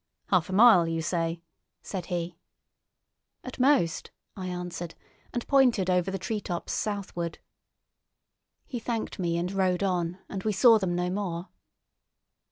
"Half a mile, you say?" said he. "At most," I answered, and pointed over the treetops southward. He thanked me and rode on, and we saw them no more.